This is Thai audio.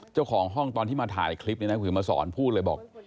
เจ้าของห้องตอนที่มาถ่ายคลิปนี้นะคุณมาสอนพูดเลยบอก